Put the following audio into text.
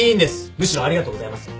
むしろありがとうございます。